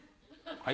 はい？